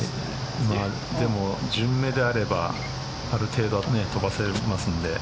でも順目であれば、ある程度は飛ばせると思いますので。